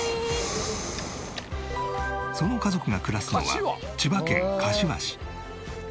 その家族が暮らすのは千葉県柏市。